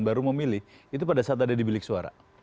baru memilih itu pada saat ada di bilik suara